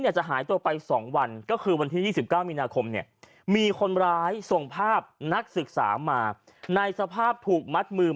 อาจารย์ไปแจ้งความว่านักศึกษาหายตัวไป